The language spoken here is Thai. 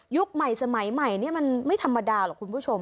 ใหม่สมัยใหม่นี่มันไม่ธรรมดาหรอกคุณผู้ชม